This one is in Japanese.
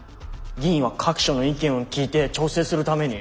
議員は各所の意見を聞いて調整するために。